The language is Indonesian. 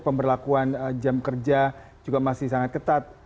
pemberlakuan jam kerja juga masih sangat ketat